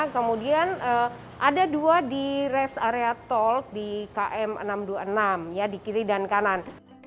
kemudian ada dua di rest area tol di km enam ratus dua puluh enam di kiri dan kanan